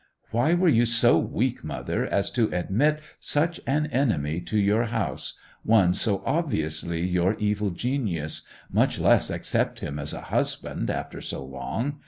'Why were you so weak, mother, as to admit such an enemy to your house—one so obviously your evil genius—much less accept him as a husband, after so long?